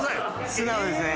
素直ですね。